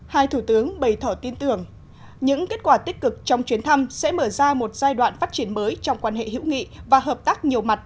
hai thủ tướng bày tỏ tin tưởng những kết quả tích cực trong chuyến thăm sẽ mở ra một giai đoạn phát triển mới trong quan hệ hữu nghị và hợp tác nhiều mặt